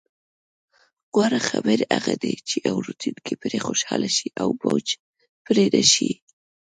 غوره خبرې هغه دي، چې اوریدونکي پرې خوشحاله شي او بوج پرې نه شي.